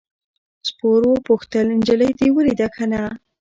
سپور وپوښتل نجلۍ دې ولیده که نه.